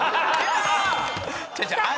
違う違う味！